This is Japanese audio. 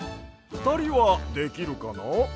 ふたりはできるかな？